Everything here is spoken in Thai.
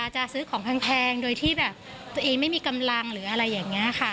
จะซื้อของแพงโดยที่แบบตัวเองไม่มีกำลังหรืออะไรอย่างนี้ค่ะ